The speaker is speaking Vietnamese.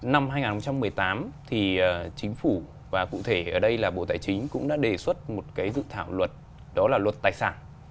năm hai nghìn một mươi tám thì chính phủ và cụ thể ở đây là bộ tài chính cũng đã đề xuất một cái dự thảo luật đó là luật tài sản